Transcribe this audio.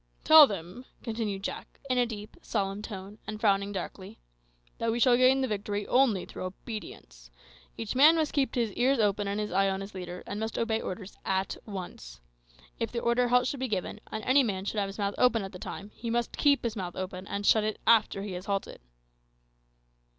"Tell them," continued Jack, in a deep, solemn tone, and frowning darkly, "that we shall gain the victory only through obedience. Each man must keep his ears open and his eye on his leader, and must obey orders at once. If the order `Halt' should be given, and any man should have his mouth open at the time, he must keep his mouth open, and shut it after he has halted."